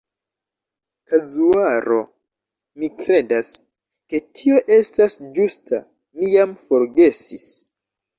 "Kazuaro". Mi kredas, ke tio estas ĝusta, mi jam forgesis.